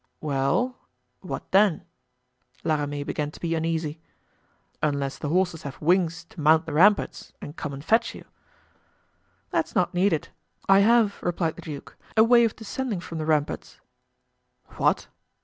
"Well, what then?" La Ramee began to be uneasy; "unless the horses have wings to mount the ramparts and come and fetch you." "That's not needed. I have," replied the duke, "a way of descending from the ramparts." "What?"